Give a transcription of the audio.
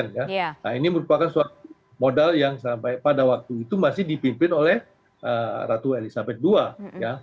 nah ini merupakan suatu modal yang sampai pada waktu itu masih dipimpin oleh ratu elizabeth ii ya